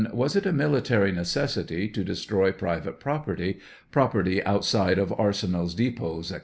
Was it a military necessity to destroy private property, property outside of arsenals, depots, &e.